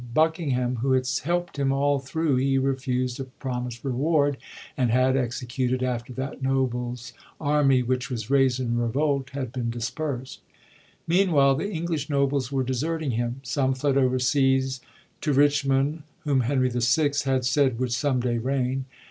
Buckingham, who had helpt him all thru, he refused a promist reward, and had executed, after that noble's army which was raisd in revolt had been disperst. Meanwhile the English nobles were deserting him. Some fled overseas, to Richmond, whom Henry VI. had said would some day reign.